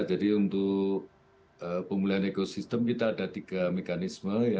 jadi untuk pemulihan ekosistem kita ada tiga mekanisme